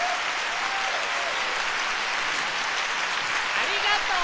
ありがとう。